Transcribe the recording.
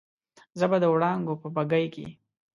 زه به د وړانګو په بګۍ کې